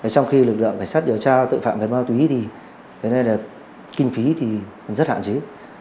trong khi lực lượng phải sát điều tra tội phạm về ma túy thì kinh phí thì rất hạn chứ